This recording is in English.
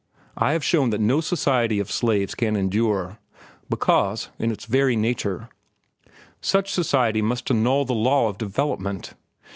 I have shown that no society of slaves can endure, because, in its very nature, such society must annul the law of development.